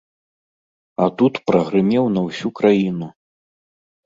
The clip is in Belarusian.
А тут прагрымеў на ўсю краіну.